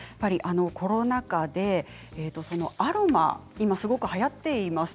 コロナ禍でアロマが今すごくはやっています。